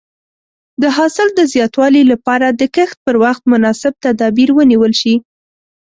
د حاصل د زیاتوالي لپاره د کښت پر وخت مناسب تدابیر ونیول شي.